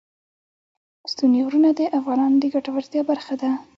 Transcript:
ستوني غرونه د افغانانو د ګټورتیا برخه ده.